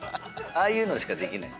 ああいうのしかできない。